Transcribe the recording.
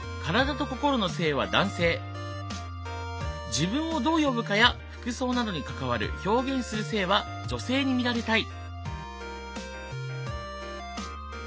自分をどう呼ぶかや服装などに関わる表現する性は女性に見られたい。